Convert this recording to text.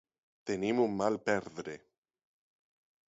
Tenim un mal perdre!